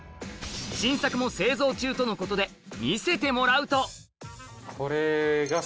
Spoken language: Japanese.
新作も製造中とのことで、見せてもらうと。